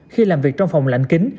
khi làm việc trong phòng lạnh kính